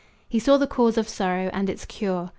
He saw the cause of sorrow, and its cure.